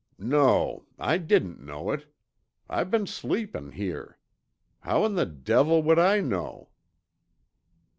"No. I didn't know it. I been sleepin' here. How in the devil would I know?"